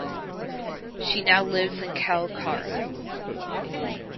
She now lives in Kalkara.